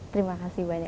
terima kasih banyak